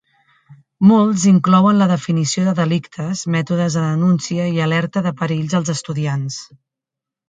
Molts inclouen la definició de delictes, mètodes de denúncia i alerta de perills als estudiants.